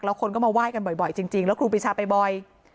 แล้วคนก็มาไหว้กันบ่อยจริงแล้วครูปีชาไปบ่อย